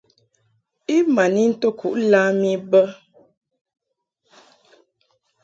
I ma n into kuʼ lam I bə.